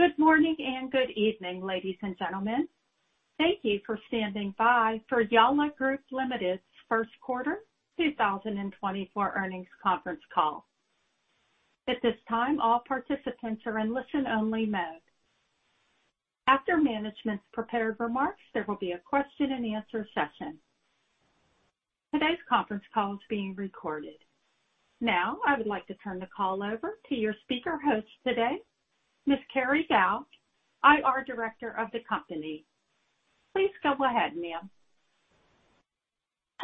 Good morning and good evening, ladies and gentlemen. Thank you for standing by for Yalla Group Limited's First Quarter 2024 Earnings Conference Call. At this time, all participants are in listen-only mode. After management's prepared remarks, there will be a question-and-answer session. Today's conference call is being recorded. Now, I would like to turn the call over to your speaker host today, Ms. Carrie Gao, IR Director of the company. Please go ahead, ma'am.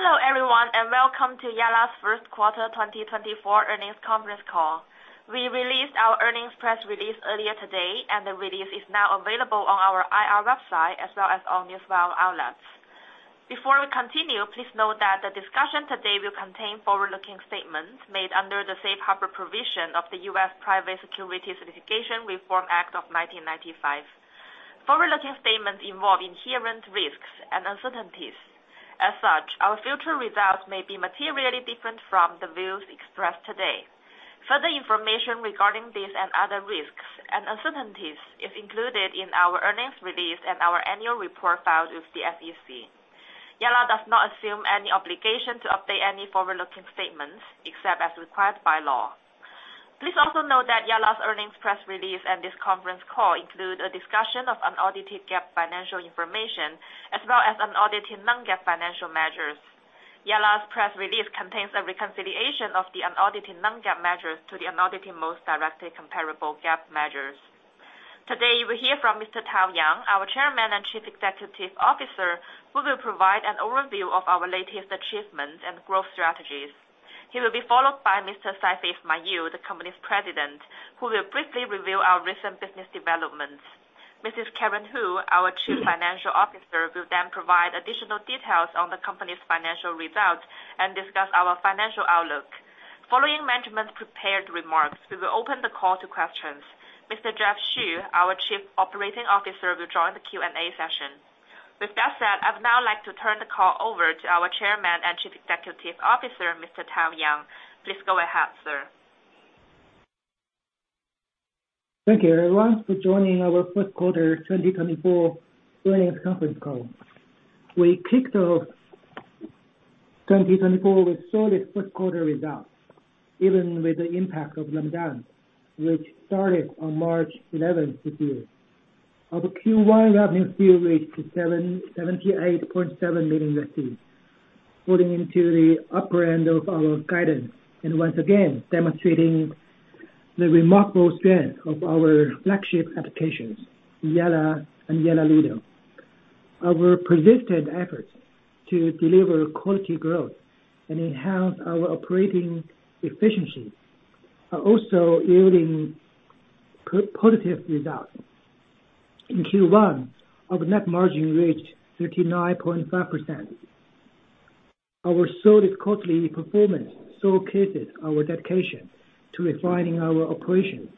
Hello, everyone, and welcome to Yalla's First Quarter 2024 Earnings Conference Call. We released our earnings press release earlier today, and the release is now available on our IR website as well as all news wire outlets. Before we continue, please note that the discussion today will contain forward-looking statements made under the Safe Harbor provision of the U.S. Private Securities Litigation Reform Act of 1995. Forward-looking statements involve inherent risks and uncertainties. As such, our future results may be materially different from the views expressed today. Further information regarding these and other risks and uncertainties is included in our earnings release and our annual report filed with the SEC. Yalla does not assume any obligation to update any forward-looking statements, except as required by law. Please also note that Yalla's earnings press release and this conference call include a discussion of unaudited GAAP financial information, as well as unaudited non-GAAP financial measures. Yalla's press release contains a reconciliation of the unaudited non-GAAP measures to the unaudited most directly comparable GAAP measures. Today, you will hear from Mr. Tao Yang, our Chairman and Chief Executive Officer, who will provide an overview of our latest achievements and growth strategies. He will be followed by Mr. Saifi Ismail, the company's President, who will briefly review our recent business developments. Mrs. Karen Hu, our Chief Financial Officer, will then provide additional details on the company's financial results and discuss our financial outlook. Following management's prepared remarks, we will open the call to questions. Mr. Jeff Xu, our Chief Operating Officer, will join the Q&A session. With that said, I'd now like to turn the call over to our Chairman and Chief Executive Officer, Mr. Tao Yang. Please go ahead, sir. Thank you, everyone, for joining our first quarter 2024 earnings conference call. We kicked off 2024 with solid first quarter results, even with the impact of Ramadan which started on March 11 this year. Our Q1 revenue still reached $778.7 million, falling into the upper end of our guidance and once again demonstrating the remarkable strength of our flagship applications, Yalla and Yalla Ludo. Our persistent efforts to deliver quality growth and enhance our operating efficiency are also yielding positive results. In Q1, our net margin reached 39.5%. Our solid quarterly performance showcases our dedication to refining our operations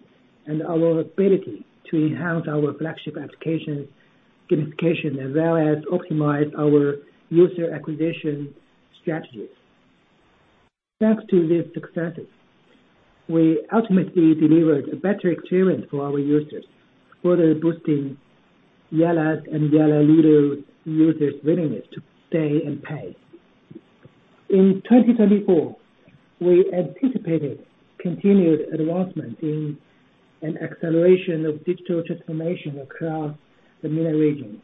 and our ability to enhance our flagship application, gamification, as well as optimize our user acquisition strategies. Thanks to these successes, we ultimately delivered a better experience for our users, further boosting Yalla's and Yalla Ludo users' willingness to stay and pay. In 2024, we anticipated continued advancement in an acceleration of digital transformation across the MENA region.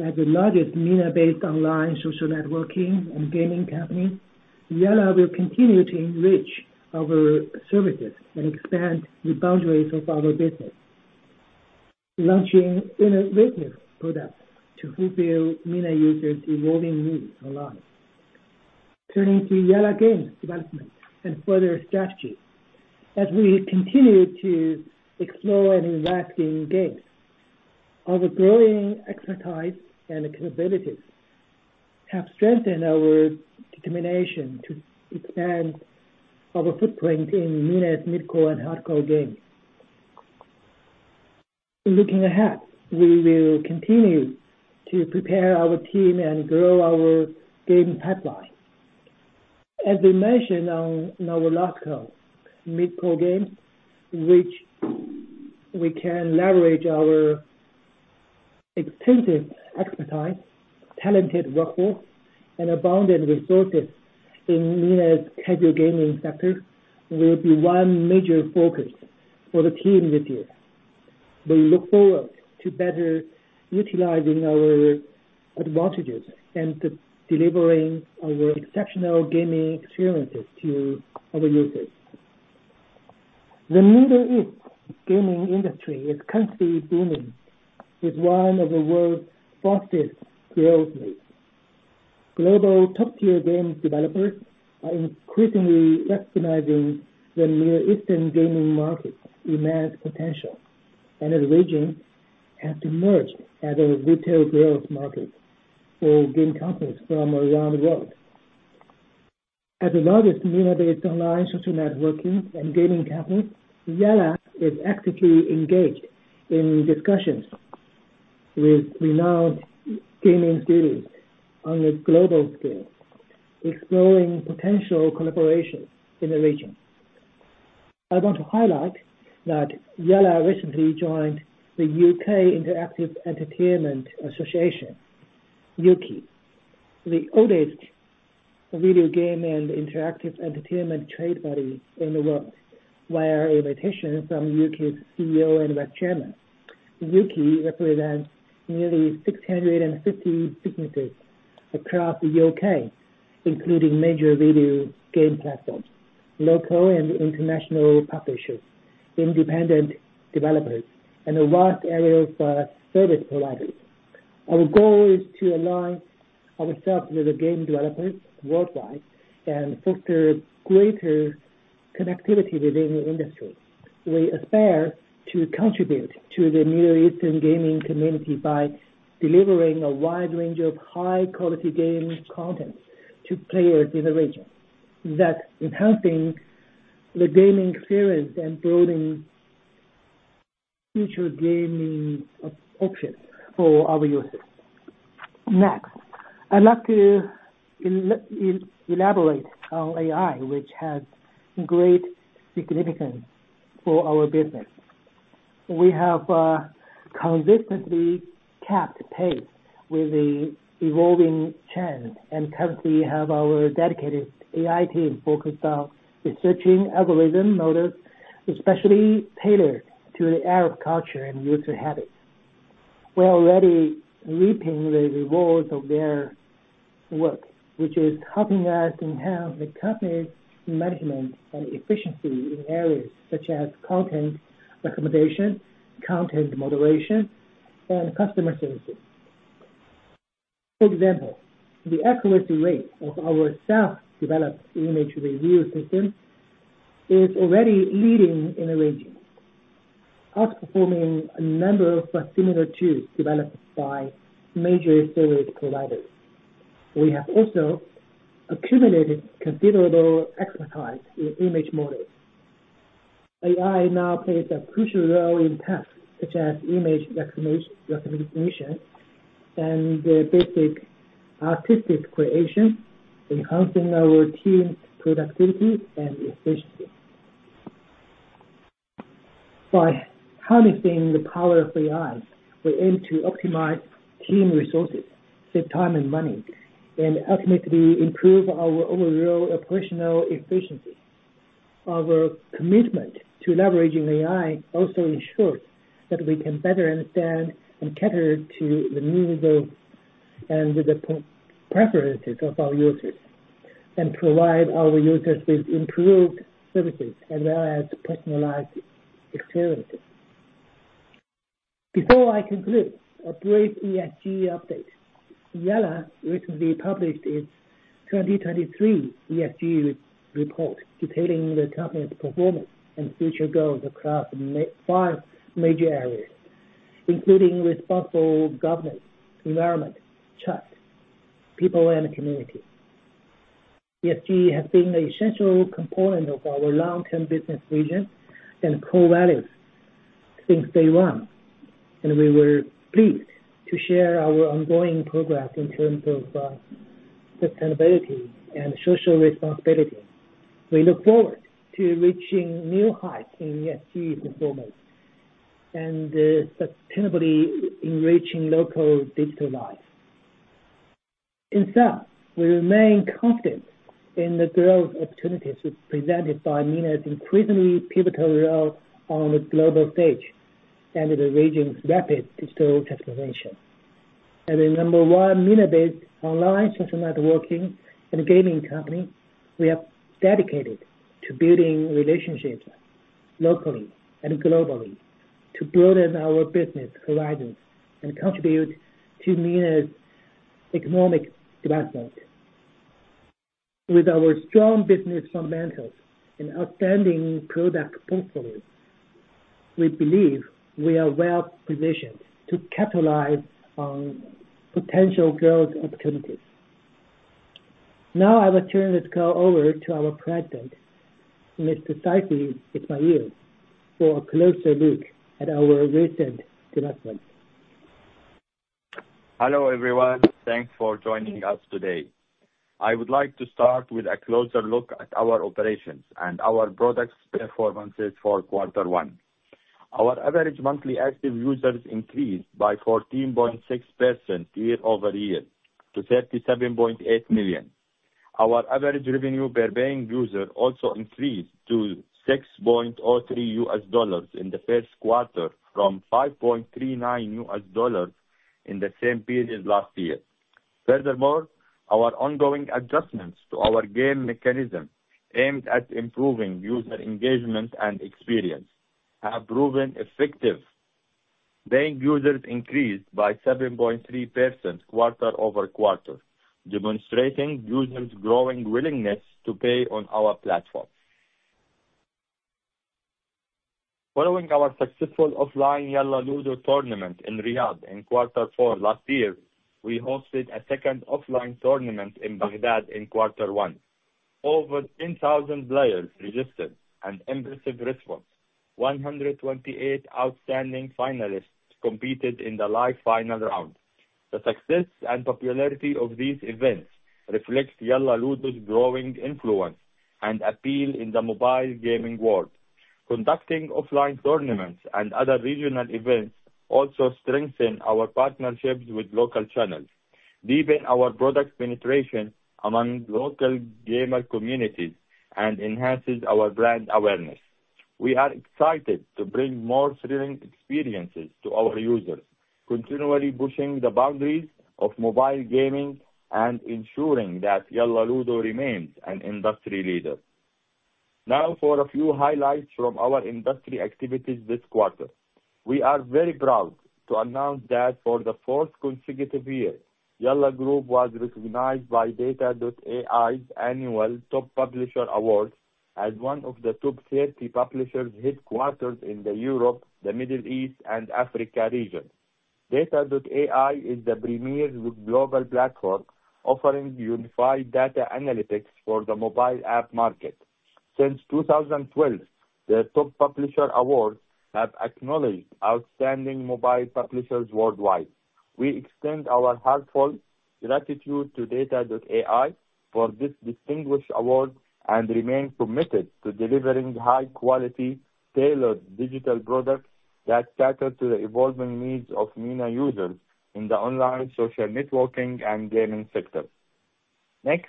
As the largest MENA-based online social networking and gaming company, Yalla will continue to enrich our services and expand the boundaries of our business, launching innovative products to fulfill MENA users' evolving needs online. Turning to Yalla games development and further strategy. As we continue to explore and invest in games, our growing expertise and capabilities have strengthened our determination to expand our footprint in MENA's mid-core and hardcore games. Looking ahead, we will continue to prepare our team and grow our gaming pipeline. As we mentioned on our last call, mid-core games, which we can leverage our extensive expertise, talented workforce, and abundant resources in MENA's casual gaming sector, will be one major focus for the team this year. We look forward to better utilizing our advantages and delivering our exceptional gaming experiences to our users. The Middle East gaming industry is constantly booming, with one of the world's fastest growth rates. Global top-tier game developers are increasingly recognizing the Middle Eastern gaming market's immense potential, and the region has emerged as a retail growth market for game companies from around the world. As the largest MENA-based online social networking and gaming company, Yalla is actively engaged in discussions with renowned gaming studios on a global scale, exploring potential collaborations in the region. I want to highlight that Yalla recently joined the U.K. Interactive Entertainment Association, Ukie, the oldest video game and interactive entertainment trade body in the world, via invitation from Ukie's CEO and vice chairman. Ukie represents nearly 650 businesses across the U.K., including major video game platforms, local and international publishers, independent developers, and a wide area of service providers. Our goal is to align ourselves with the game developers worldwide and foster greater connectivity within the industry. We aspire to contribute to the Middle Eastern gaming community by delivering a wide range of high-quality gaming content to players in the region, thus enhancing the gaming experience and building future gaming options for our users. Next, I'd like to elaborate on AI, which has great significance for our business. We have consistently kept pace with the evolving trends, and currently have our dedicated AI team focused on researching algorithm models, especially tailored to the Arab culture and user habits. We're already reaping the rewards of their work, which is helping us enhance the company's management and efficiency in areas such as content recommendation, content moderation, and customer services. For example, the accuracy rate of our self-developed image review system is already leading in the region, outperforming a number of similar tools developed by major service providers. We have also accumulated considerable expertise in image modeling. AI now plays a crucial role in tasks such as image recognition and basic artistic creation, enhancing our team's productivity and efficiency. By harnessing the power of AI, we aim to optimize team resources, save time and money, and ultimately improve our overall operational efficiency. Our commitment to leveraging AI also ensures that we can better understand and cater to the needs of and the preferences of our users, and provide our users with improved services as well as personalized experiences. Before I conclude, a brief ESG update. Yalla recently published its 2023 ESG report, detailing the company's performance and future goals across five major areas, including responsible governance, environment, trust, people, and community. ESG has been an essential component of our long-term business vision and core values since day one, and we were pleased to share our ongoing progress in terms of, sustainability and social responsibility. We look forward to reaching new heights in ESG performance and, sustainably enriching local digital life. In sum, we remain confident in the growth opportunities presented by MENA's increasingly pivotal role on the global stage and the region's rapid digital transformation. As the number one MENA-based online social networking and gaming company, we are dedicated to building relationships locally and globally, to broaden our business horizons and contribute to MENA's economic development. With our strong business fundamentals and outstanding product portfolio, we believe we are well positioned to capitalize on potential growth opportunities. Now I will turn this call over to our president, Mr. Saifi Ismail, for a closer look at our recent developments. Hello, everyone. Thanks for joining us today. I would like to start with a closer look at our operations and our products' performances for quarter one. Our average monthly active users increased by 14.6% year-over-year to 37.8 million. Our average revenue per paying user also increased to $6.03 in the first quarter, from $5.39 in the same period last year. Furthermore, our ongoing adjustments to our game mechanism, aimed at improving user engagement and experience, have proven effective. Paying users increased by 7.3% quarter-over-quarter, demonstrating users' growing willingness to pay on our platform. Following our successful offline Yalla Ludo tournament in Riyadh in quarter four last year, we hosted a second offline tournament in Baghdad in quarter one. Over 10,000 players registered, an impressive response. 128 outstanding finalists competed in the live final round. The success and popularity of these events reflects Yalla Ludo's growing influence and appeal in the mobile gaming world. Conducting offline tournaments and other regional events also strengthen our partnerships with local channels, deepen our product penetration among local gamer communities, and enhances our brand awareness. We are excited to bring more thrilling experiences to our users, continually pushing the boundaries of mobile gaming and ensuring that Yalla Ludo remains an industry leader. Now, for a few highlights from our industry activities this quarter. We are very proud to announce that for the fourth consecutive year, Yalla Group was recognized by data.ai's Annual Top Publisher Awards as one of the top 30 publishers headquartered in the Europe, the Middle East, and Africa region. data.ai is the premier global platform offering unified data analytics for the mobile app market. Since 2012, the Top Publisher Awards have acknowledged outstanding mobile publishers worldwide. We extend our heartfelt gratitude to data.ai for this distinguished award, and remain committed to delivering high-quality, tailored digital products that cater to the evolving needs of MENA users in the online social networking and gaming sector. Next,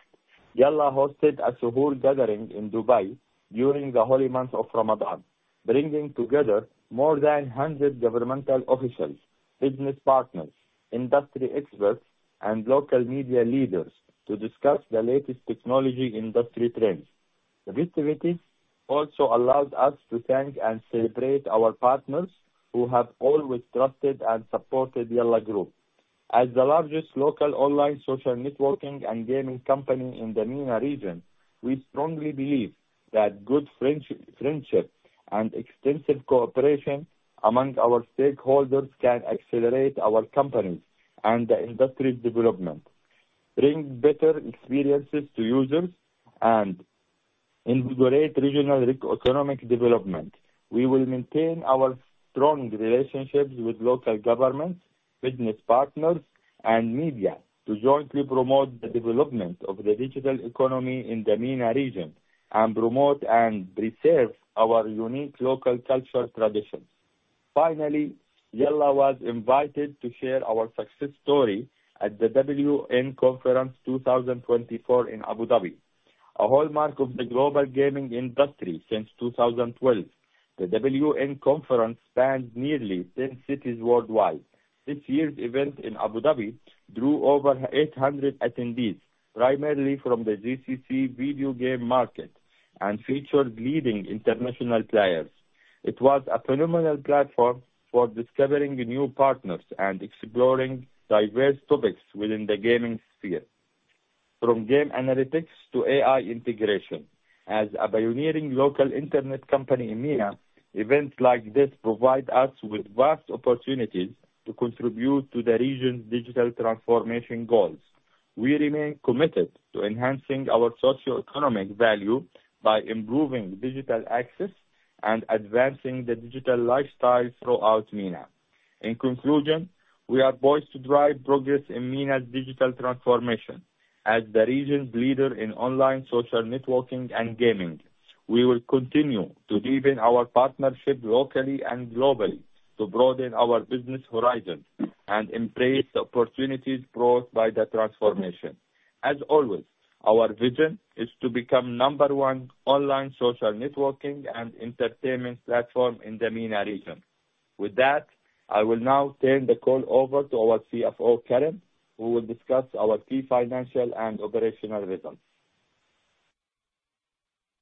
Yalla hosted a Suhoor gathering in Dubai during the holy month of Ramadan, bringing together more than 100 governmental officials, business partners, industry experts, and local media leaders to discuss the latest technology industry trends. This event also allowed us to thank and celebrate our partners who have always trusted and supported Yalla Group. As the largest local online social networking and gaming company in the MENA region, we strongly believe that good friendship and extensive cooperation among our stakeholders can accelerate our company's and the industry's development, bring better experiences to users, and invigorate regional economic development. We will maintain our strong relationships with local governments, business partners, and media to jointly promote the development of the digital economy in the MENA region and promote and preserve our unique local cultural traditions. Finally, Yalla was invited to share our success story at the WN Conference 2024 in Abu Dhabi. A hallmark of the global gaming industry since 2012, the WN Conference spans nearly 10 cities worldwide. This year's event in Abu Dhabi drew over 800 attendees, primarily from the GCC video game market, and featured leading international players. It was a phenomenal platform for discovering new partners and exploring diverse topics within the gaming sphere, from game analytics to AI integration. As a pioneering local internet company in MENA, events like this provide us with vast opportunities to contribute to the region's digital transformation goals. We remain committed to enhancing our socioeconomic value by improving digital access and advancing the digital lifestyle throughout MENA. In conclusion, we are poised to drive progress in MENA's digital transformation. As the region's leader in online social networking and gaming, we will continue to deepen our partnership locally and globally, to broaden our business horizon and embrace the opportunities brought by the transformation. As always, our vision is to become number one online social networking and entertainment platform in the MENA region. With that, I will now turn the call over to our CFO, Karen, who will discuss our key financial and operational results.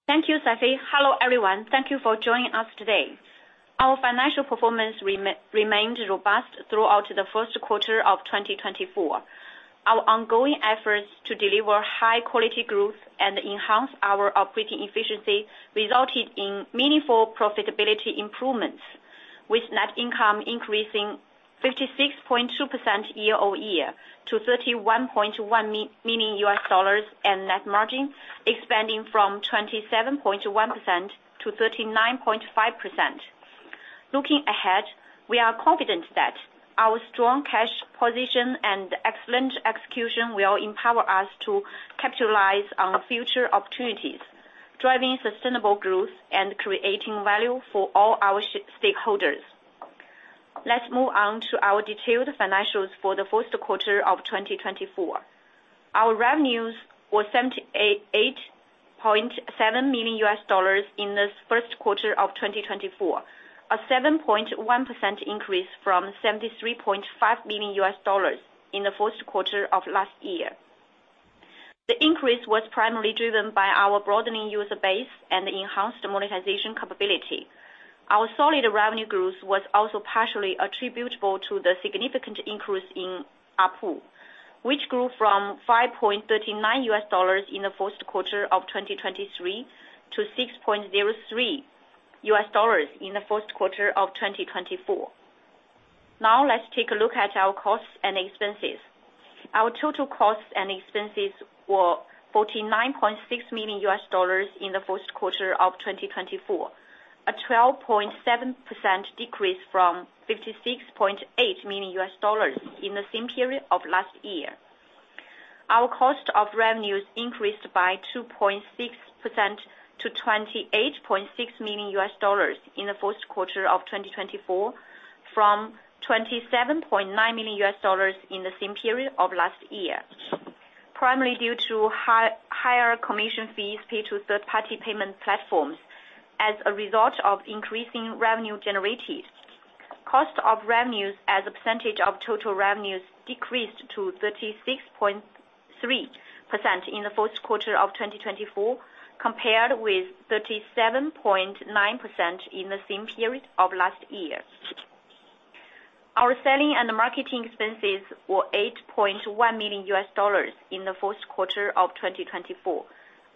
Thank you, Saifi. Hello, everyone. Thank you for joining us today. Our financial performance remained robust throughout the first quarter of 2024. Our ongoing efforts to deliver high-quality growth and enhance our operating efficiency resulted in meaningful profitability improvements, with net income increasing 56.2% year-over-year to $31.1 million, and net margin expanding from 27.1%-39.5%. Looking ahead, we are confident that our strong cash position and excellent execution will empower us to capitalize on future opportunities, driving sustainable growth and creating value for all our stakeholders. Let's move on to our detailed financials for the first quarter of 2024. Our revenues was $78.7 million in this first quarter of 2024, a 7.1% increase from $73.5 million in the first quarter of last year. The increase was primarily driven by our broadening user base and enhanced monetization capability. Our solid revenue growth was also partially attributable to the significant increase in ARPU, which grew from $5.39 in the first quarter of 2023 to $6.03 in the first quarter of 2024. Now let's take a look at our costs and expenses. Our total costs and expenses were $49.6 million in the first quarter of 2024, a 12.7% decrease from $56.8 million in the same period of last year. Our cost of revenues increased by 2.6% to $28.6 million in the first quarter of 2024, from $27.9 million in the same period of last year, primarily due to higher commission fees paid to third-party payment platforms as a result of increasing revenue generated. Cost of revenues as a percentage of total revenues decreased to 36.3% in the first quarter of 2024, compared with 37.9% in the same period of last year. Our selling and marketing expenses were $8.1 million in the first quarter of 2024,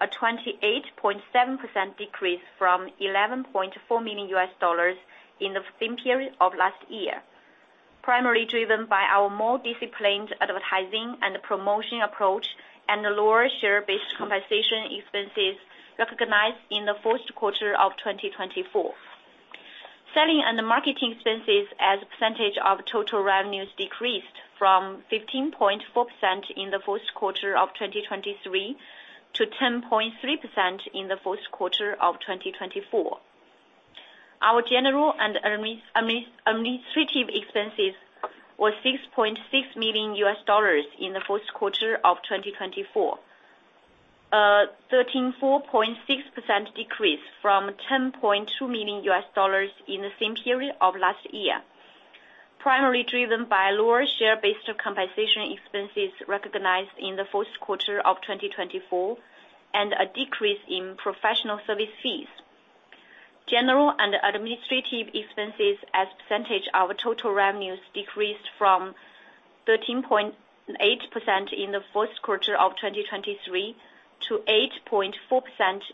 a 28.7% decrease from $11.4 million in the same period of last year, primarily driven by our more disciplined advertising and promotion approach and the lower share-based compensation expenses recognized in the first quarter of 2024. Selling and marketing expenses as a percentage of total revenues decreased from 15.4% in the first quarter of 2023 to 10.3% in the first quarter of 2024. Our general and administrative expenses were $6.6 million in the first quarter of 2024, a 13.46% decrease from $10.2 million in the same period of last year, primarily driven by lower share-based compensation expenses recognized in the first quarter of 2024 and a decrease in professional service fees. General and administrative expenses as a percentage of total revenues decreased from 13.8% in the first quarter of 2023 to 8.4%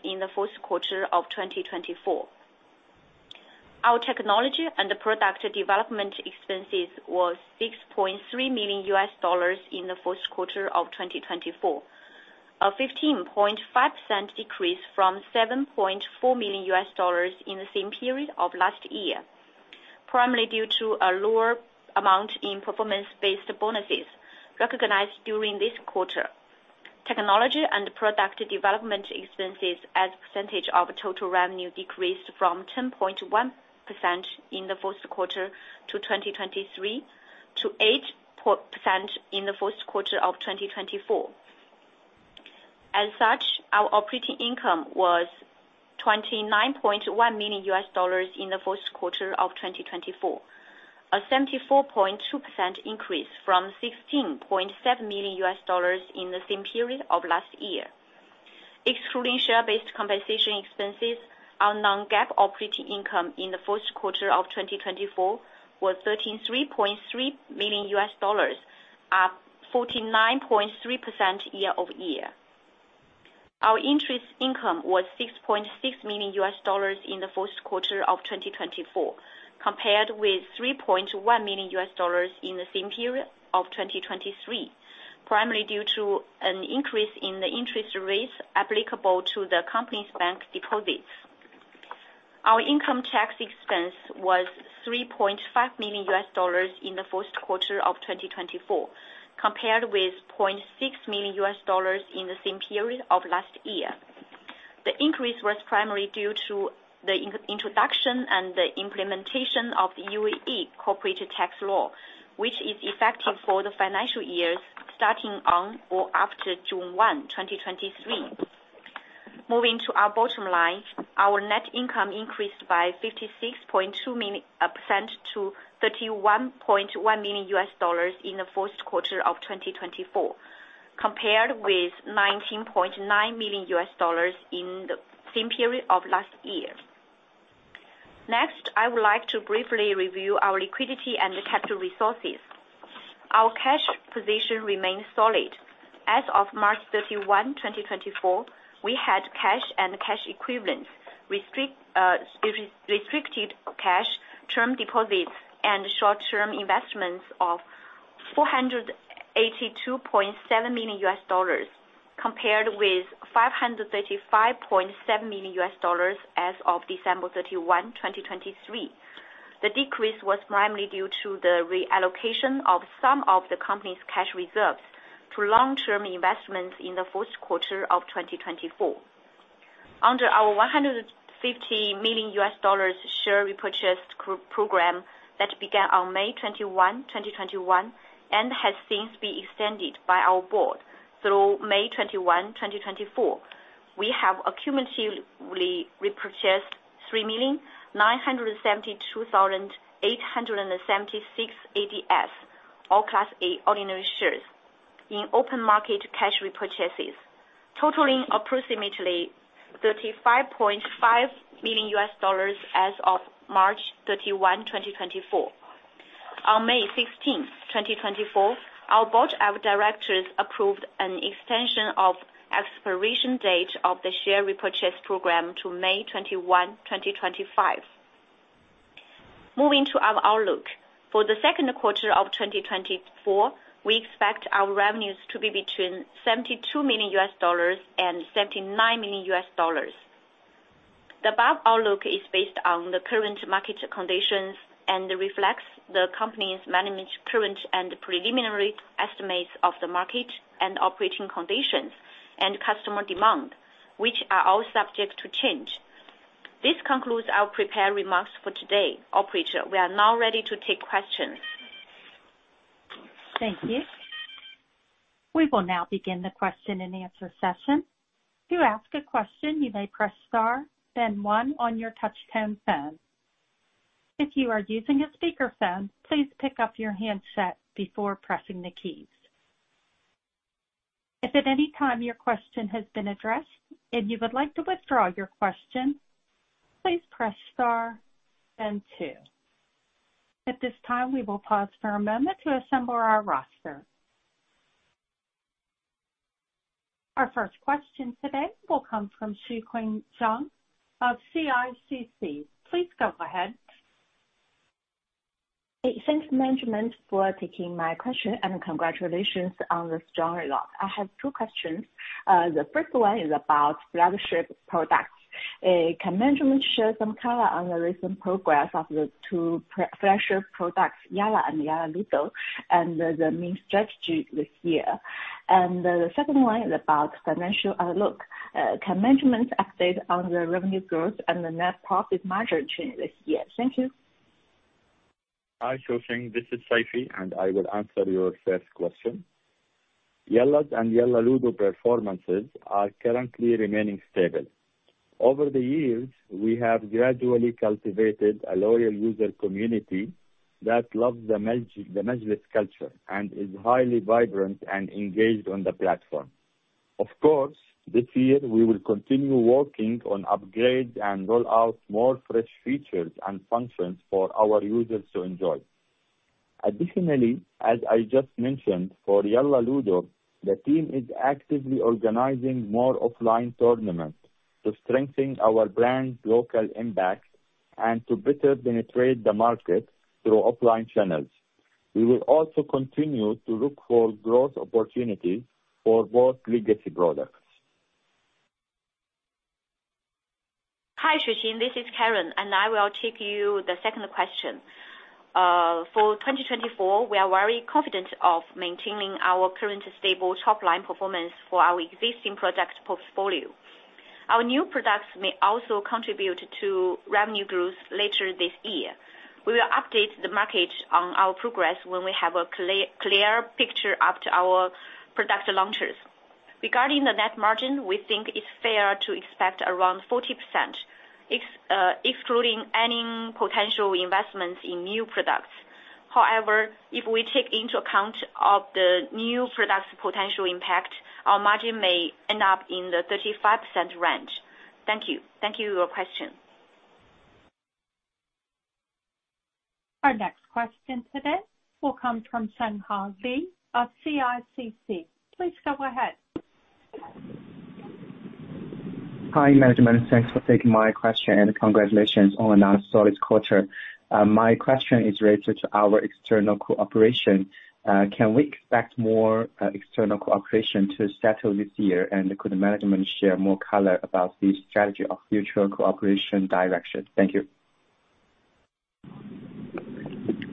in the first quarter of 2024. Our technology and product development expenses was $6.3 million in the first quarter of 2024, a 15.5% decrease from $7.4 million in the same period of last year, primarily due to a lower amount in performance-based bonuses recognized during this quarter. Technology and product development expenses as a percentage of total revenue decreased from 10.1% in the first quarter of 2023 to 8% in the first quarter of 2024. As such, our operating income was $29.1 million in the first quarter of 2024, a 74.2% increase from $16.7 million in the same period of last year. Excluding share-based compensation expenses, our non-GAAP operating income in the first quarter of 2024 was $13.3 million, up 49.3% year-over-year. Our interest income was $6.6 million in the first quarter of 2024, compared with $3.1 million in the same period of 2023, primarily due to an increase in the interest rates applicable to the company's bank deposits. Our income tax expense was $3.5 million in the first quarter of 2024, compared with $0.6 million in the same period of last year. The increase was primarily due to the introduction and the implementation of the UAE corporate tax law, which is effective for the financial years starting on or after June 1, 2023. Moving to our bottom line, our net income increased by 56.2% to $31.1 million in the first quarter of 2024, compared with $19.9 million in the same period of last year. Next, I would like to briefly review our liquidity and capital resources. Our cash position remains solid. As of March 31, 2024, we had cash and cash equivalents, restricted cash, term deposits, and short-term investments of $482.7 million, compared with $535.7 million as of December 31, 2023. The decrease was primarily due to the reallocation of some of the company's cash reserves to long-term investments in the first quarter of 2024. Under our $150 million share repurchase program that began on May 21, 2021, and has since been extended by our board through May 21, 2024, we have accumulatively repurchased 3,972,876 ADS, all Class A ordinary shares, in open market cash repurchases, totaling approximately $35.5 million as of March 31, 2024. On May 16, 2024, our board of directors approved an extension of expiration date of the share repurchase program to May 21, 2025.... Moving to our outlook. For the second quarter of 2024, we expect our revenues to be between $72 million and $79 million. The above outlook is based on the current market conditions and reflects the company's management's current and preliminary estimates of the market and operating conditions and customer demand, which are all subject to change. This concludes our prepared remarks for today. Operator, we are now ready to take questions. Thank you. We will now begin the question-and-answer session. To ask a question, you may press star then one on your touchtone phone. If you are using a speakerphone, please pick up your handset before pressing the keys. If at any time your question has been addressed and you would like to withdraw your question, please press star then two. At this time, we will pause for a moment to assemble our roster. Our first question today will come from Xueqing Zhang of CICC. Please go ahead. Hey, thanks, management, for taking my question, and congratulations on the strong results. I have two questions. The first one is about flagship products. Can management share some color on the recent progress of the two flagship products, Yalla and Yalla Ludo, and the main strategy this year? And the second one is about financial outlook. Can management update on the revenue growth and the net profit margin change this year? Thank you. Hi, Xueqing, this is Saifi, and I will answer your first question. Yalla's and Yalla Ludo performances are currently remaining stable. Over the years, we have gradually cultivated a loyal user community that loves the majlis culture and is highly vibrant and engaged on the platform. Of course, this year we will continue working on upgrades and roll out more fresh features and functions for our users to enjoy. Additionally, as I just mentioned, for Yalla Ludo, the team is actively organizing more offline tournaments to strengthen our brand's local impact and to better penetrate the market through offline channels. We will also continue to look for growth opportunities for both legacy products. Hi, Xueqing, this is Karen, and I will take your second question. For 2024, we are very confident of maintaining our current stable top line performance for our existing product portfolio. Our new products may also contribute to revenue growth later this year. We will update the market on our progress when we have a clear picture after our product launches. Regarding the net margin, we think it's fair to expect around 40%, excluding any potential investments in new products. However, if we take into account of the new products' potential impact, our margin may end up in the 35% range. Thank you. Thank you for your question. Our next question today will come from Chenghao Li of CICC. Please go ahead. Hi, management. Thanks for taking my question, and congratulations on another solid quarter. My question is related to our external cooperation. Can we expect more external cooperation to settle this year? Could management share more color about the strategy of future cooperation direction? Thank you.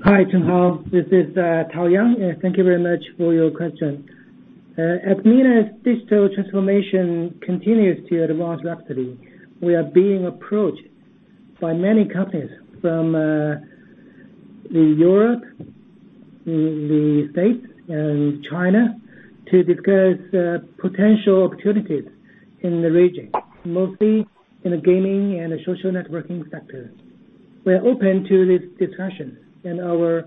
Hi, Chenghao, this is, Tao Yang, and thank you very much for your question. As MENA's digital transformation continues to advance rapidly, we are being approached by many companies from, the Europe, the, the States, and China to discuss, potential opportunities in the region, mostly in the gaming and the social networking sector. We are open to these discussions, and our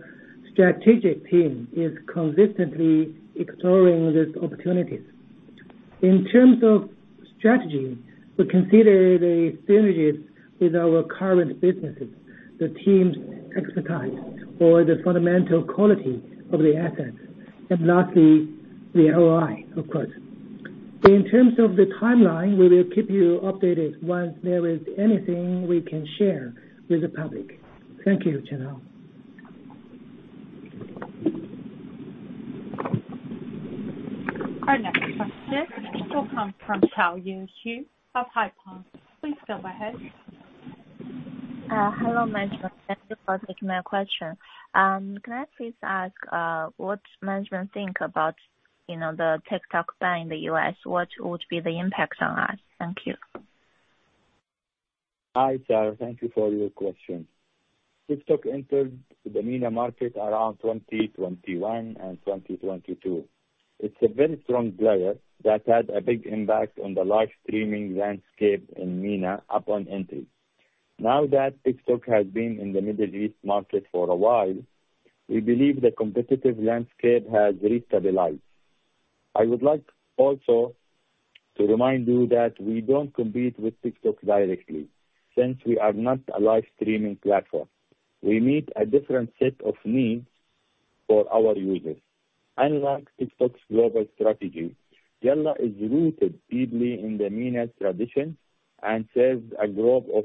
strategic team is consistently exploring these opportunities. In terms of strategy, we consider the synergies with our current businesses, the team's expertise or the fundamental quality of the assets, and lastly, the ROI, of course. In terms of the timeline, we will keep you updated once there is anything we can share with the public. Thank you, Chenghao. Our next question will come from Xiaoyu Xu of Haitong. Please go ahead. Hello, management. Thank you for taking my question. Can I please ask, what management think about, you know, the TikTok ban in the U.S.? What would be the impact on us? Thank you. Hi, Sarah, thank you for your question. TikTok entered the MENA market around 2021 and 2022. It's a very strong player that had a big impact on the live streaming landscape in MENA upon entry. Now that TikTok has been in the Middle East market for a while, we believe the competitive landscape has restabilized. I would like also to remind you that we don't compete with TikTok directly, since we are not a live streaming platform. We meet a different set of needs-... For our users. Unlike TikTok's global strategy, Yalla is rooted deeply in the MENA tradition and serves a group of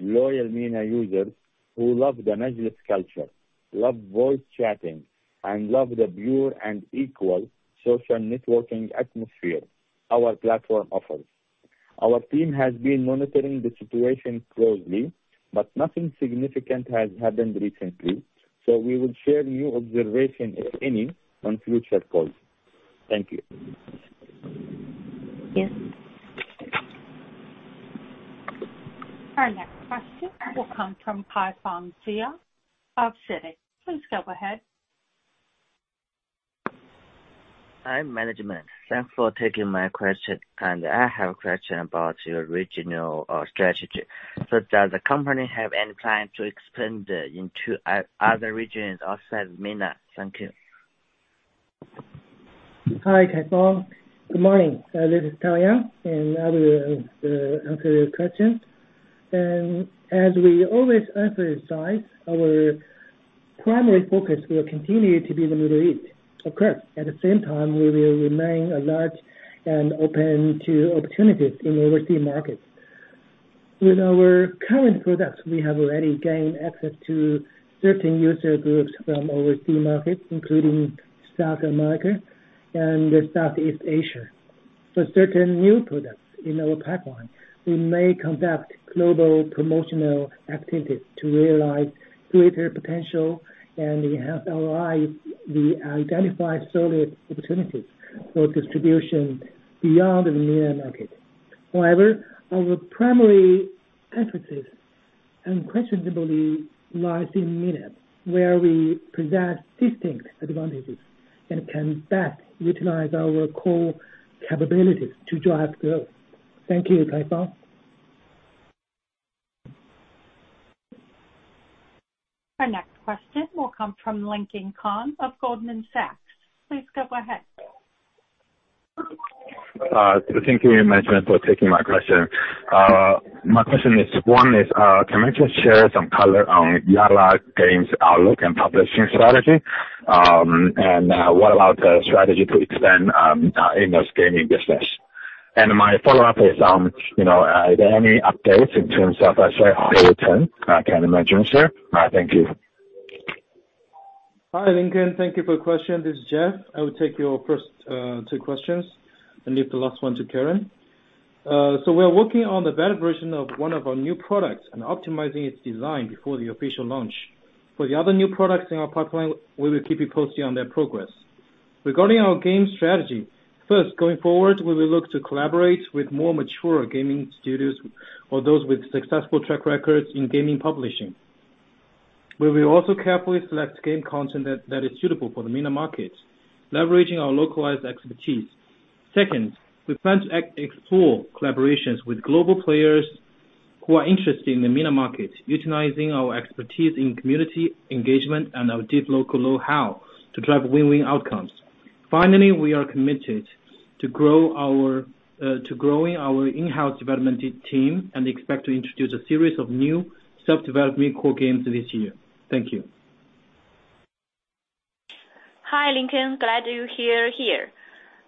loyal MENA users who love the majlis culture, love voice chatting, and love the pure and equal social networking atmosphere our platform offers. Our team has been monitoring the situation closely, but nothing significant has happened recently, so we will share new observation, if any, on future calls. Thank you. Yes. Our next question will come from Kaifang Jia of Citi. Please go ahead. Hi, management. Thanks for taking my question. I have a question about your regional strategy. Does the company have any plan to expand into other regions outside MENA? Thank you. Hi, Kaifang. Good morning. This is Tao Yang, and I will answer your question. And as we always emphasize, our primary focus will continue to be the Middle East. Of course, at the same time, we will remain alert and open to opportunities in overseas markets. With our current products, we have already gained access to certain user groups from overseas markets, including South America and Southeast Asia. For certain new products in our pipeline, we may conduct global promotional activities to realize greater potential and enhance ROI. We identify solid opportunities for distribution beyond the MENA market. However, our primary emphasis unquestionably lies in MENA, where we possess distinct advantages and can best utilize our core capabilities to drive growth. Thank you, Kaifang. Our next question will come from Lincoln Kong of Goldman Sachs. Please go ahead. Thank you, management, for taking my question. My question is, one is, can you just share some color on Yalla games outlook and publishing strategy? And, what about the strategy to expand, in those gaming business? And my follow-up is, you know, are there any updates in terms of, let's say, return? return mechanisms, sir. Thank you. Hi, Lincoln. Thank you for your question. This is Jeff. I will take your first two questions and leave the last one to Karen. We are working on the beta version of one of our new products and optimizing its design before the official launch. For the other new products in our pipeline, we will keep you posted on their progress. Regarding our game strategy, first, going forward, we will look to collaborate with more mature gaming studios or those with successful track records in gaming publishing. We will also carefully select game content that is suitable for the MENA markets, leveraging our localized expertise. Second, we plan to explore collaborations with global players who are interested in the MENA market, utilizing our expertise in community engagement and our deep local know-how to drive win-win outcomes. Finally, we are committed to growing our in-house development team and expect to introduce a series of new self-development core games this year. Thank you. Hi, Lincoln. Glad you're here.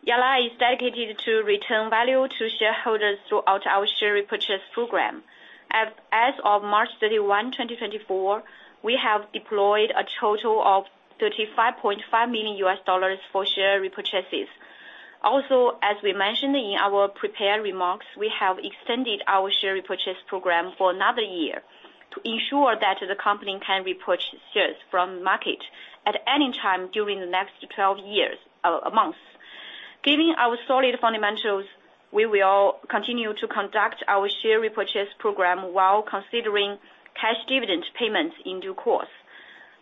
Yalla is dedicated to return value to shareholders throughout our share repurchase program. As of March 31, 2024, we have deployed a total of $35.5 million for share repurchases. Also, as we mentioned in our prepared remarks, we have extended our share repurchase program for another year to ensure that the company can repurchase shares from market at any time during the next 12 months. Given our solid fundamentals, we will continue to conduct our share repurchase program while considering cash dividend payments in due course.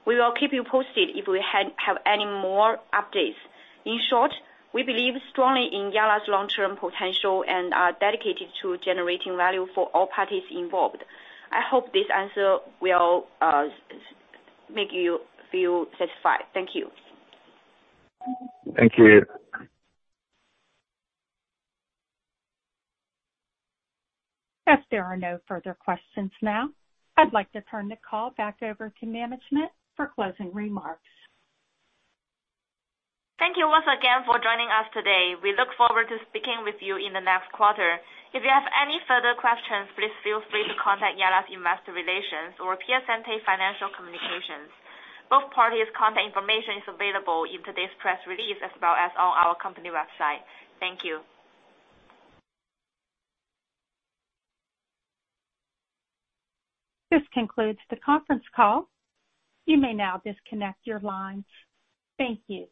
We will keep you posted if we have any more updates. In short, we believe strongly in Yalla's long-term potential and are dedicated to generating value for all parties involved. I hope this answer will make you feel satisfied. Thank you. Thank you. As there are no further questions now, I'd like to turn the call back over to management for closing remarks. Thank you once again for joining us today. We look forward to speaking with you in the next quarter. If you have any further questions, please feel free to contact Yalla's Investor Relations or Piacente Financial Communications. Both parties' contact information is available in today's press release as well as on our company website. Thank you. This concludes the conference call. You may now disconnect your lines. Thank you.